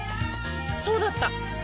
そうだった！